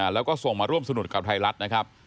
แล้วก็ส่งมาร่วมสนุกกับไทยรัฐนะครับ